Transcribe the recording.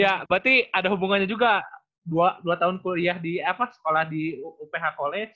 ya berarti ada hubungannya juga dua tahun kuliah di sekolah di uph kole